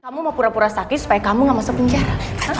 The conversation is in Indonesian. kamu mau pura pura sakit supaya kamu gak masuk penjara